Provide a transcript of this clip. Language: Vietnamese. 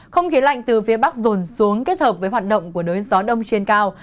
không khí lạnh từ phía bắc dồn xuống kết hợp với hoạt động của đối gió đông trên cao